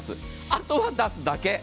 あとは出すだけ。